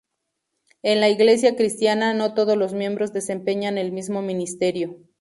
En la Iglesia cristiana no todos los miembros desempeñan el mismo ministerio.